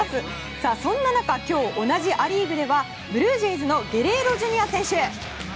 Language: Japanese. さあ、そんな中今日、同じア・リーグではブルージェイズのゲレーロＪｒ．選手。